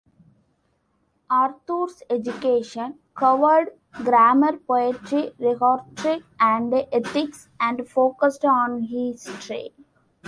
Arthur's education covered grammar, poetry, rhetoric and ethics and focused on history.